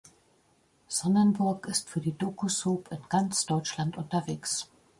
Sonnenburg ist für die Doku-Soap in ganz Deutschland unterwegs.